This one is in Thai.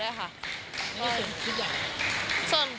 แล้วจะหยุดชุดใหญ่